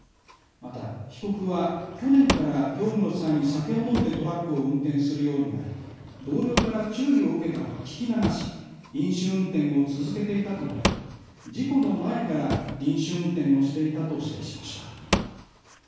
また、被告は去年から業務の際に酒を飲んでトラックを運転するようになり同僚から注意を受けたが聞き流し飲酒運転を続けていたと述べ事故の前から飲酒運転をしていたと指摘しました。